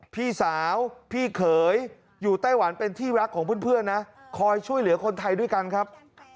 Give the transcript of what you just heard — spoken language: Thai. พี่สาวพี่เขยอยู่ไต้หวันเป็นที่รักของเพื่อนนะคอยช่วยเหลือคนไทยด้วยกันครับ